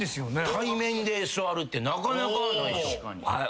対面で座るってなかなかない。